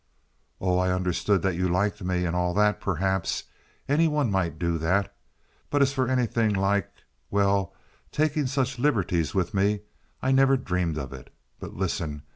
"Oh, I understood that you liked me, and all that, perhaps. Any one might do that. But as for anything like—well—taking such liberties with me—I never dreamed of it. But listen.